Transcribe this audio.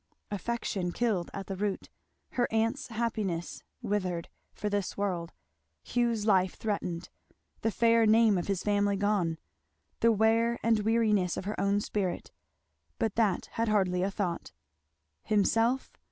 Affection killed at the root, her aunt's happiness withered, for this world, Hugh's life threatened, the fair name of his family gone, the wear and weariness of her own spirit, but that had hardly a thought. Himself?